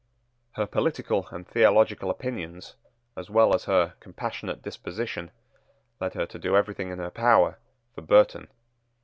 Her political and theological opinions, as well as her compassionate disposition, led her to do everything in her power for Burton.